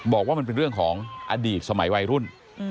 บอกว่ามันเป็นเรื่องของอดีตสมัยวัยรุ่น